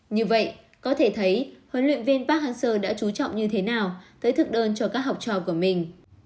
như vậy có thể thấy huấn luyện viên bác hanser đã trú trọng như thế nào tới thực đơn cho các học trò của mình